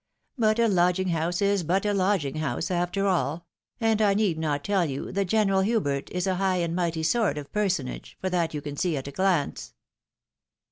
But a lodging house is but a lodging house after all : and I need not tell you that General Hubert is a high and mighty sort of personage, for that you can see at a glance."